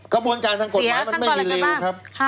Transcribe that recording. กระบวนการสรรคุมกฎหมายมันไม่มีเร็วครับ